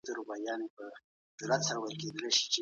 شل منفي څلور؛ شپاړس کېږي.